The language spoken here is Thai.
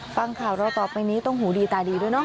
ฟังข่าวเราต่อไปนี้ต้องหูดีตาดีด้วยเนอ